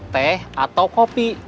teh atau kopi